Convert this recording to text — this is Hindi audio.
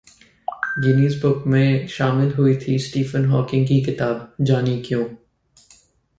गिनीज बुक में शामिल हुई थी स्टीफन हॉकिंग की किताब, जानें क्यों